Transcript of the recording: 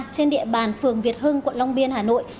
trên địa bàn phường việt hưng quận long biên hà nội